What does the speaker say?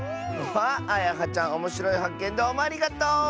あやはちゃんおもしろいはっけんどうもありがとう！